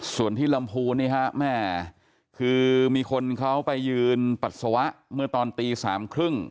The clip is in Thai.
ส่วนที่ลำพูนนี่ฮะแม่คือมีคนเขาไปยืนปัสสาวะเมื่อตอนตีสามครึ่ง